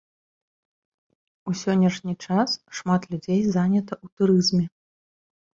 У сённяшні час шмат людзей занята ў турызме.